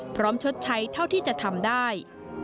ชดใช้เท่าที่จะทำได้